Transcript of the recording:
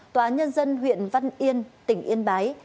tòa nhân dân huyện văn yên tỉnh yên bái